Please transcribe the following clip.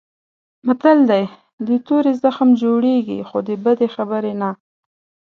متل دی: د تورې زخم جوړېږي خو د بدې خبرې نه.